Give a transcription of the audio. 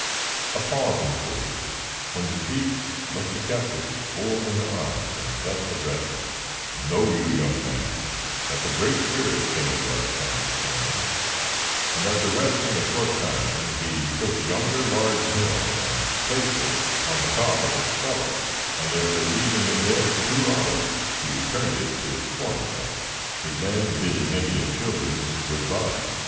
A pause ensued, when the chief looked the captive full in the eyes, and thus addressed him: "Know you, young man, that the Great Spirit came into our camp this morning, and after resting a short time he took yonder large hill and placed it on the top of its fellow, and after leaving it there two hours, he returned it to its former site. He then bid his Indian children good bye.